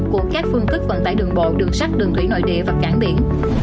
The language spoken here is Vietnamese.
của các phương thức vận tải đường bộ đường sắt đường thủy nội địa và cảng biển